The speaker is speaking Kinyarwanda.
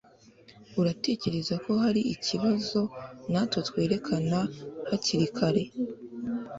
Uratekereza ko hari ikibazo natwe twerekana hakiri kare?